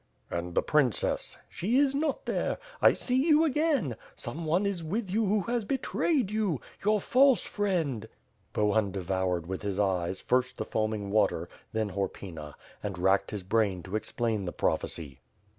^^And the princess?" "She is not there. I see you again. Some one is with you who has betrayed you. Your false friend." mTH PIRE A2fD SWORD. 4^7 Bohun devoured with his eyes, first the foaming water, then Horpyna; and racked his brain to explain the prophecy.